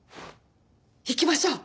行きましょう！